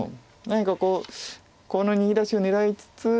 何かこの逃げ出しを狙いつつ。